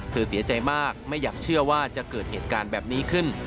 เสียใจมากไม่อยากเชื่อว่าจะเกิดเหตุการณ์แบบนี้ขึ้น